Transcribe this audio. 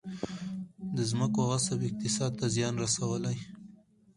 د ځمکو غصب اقتصاد ته زیان رسولی؟